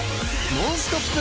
ノンストップ！